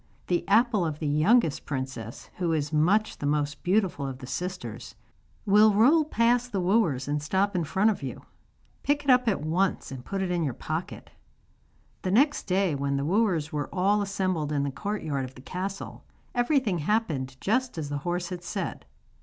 The apple of the youngest princess, who is much the most beautiful of the sisters, will roll past the wooers and stop in front of you. Pick it up at once and put it in your pocket.' The next day, when the wooers were all assembled in the courtyard of the castle, everything happened just as the horse had said.